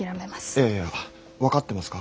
いやいや分かってますか？